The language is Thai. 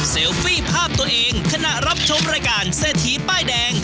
ฟี่ภาพตัวเองขณะรับชมรายการเศรษฐีป้ายแดง